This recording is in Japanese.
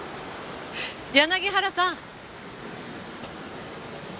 柳原さん！